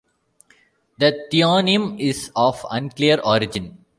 The theonym is of unclear origin.